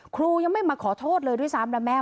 ครูยังไม่มาขอโทษเลยด้วยซ้ำนะแม่